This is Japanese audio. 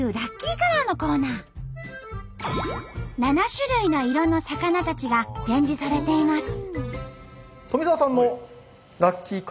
７種類の色の魚たちが展示されています。